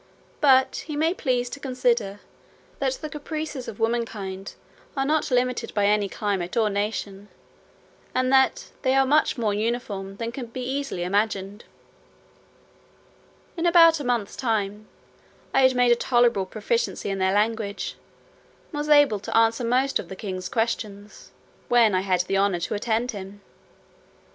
But he may please to consider, that the caprices of womankind are not limited by any climate or nation, and that they are much more uniform, than can be easily imagined. In about a month's time, I had made a tolerable proficiency in their language, and was able to answer most of the king's questions, when I had the honour to attend him.